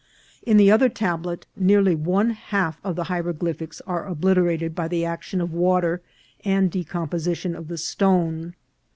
In the other tablet, nearly one half of the hieroglyphics are obliterated by the action of water and decomposition of the stone.